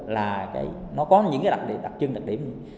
là nó có những cái đặc trưng đặc điểm